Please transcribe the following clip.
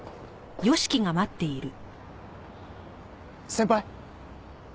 先輩？